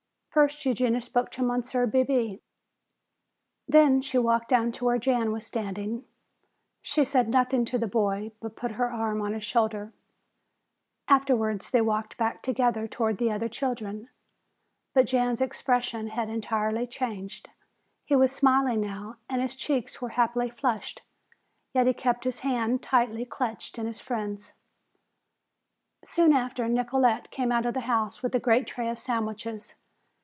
First Eugenia spoke to Monsieur Bebé. Then she walked down to where Jan was standing. She said nothing to the boy, but put her arm on his shoulder. Afterwards they walked back together toward the other children. But Jan's expression had entirely changed. He was smiling now and his cheeks were happily flushed, yet he kept his hand tightly clutched in his friend's. Soon after Nicolete came out of the house with a great tray of sandwiches.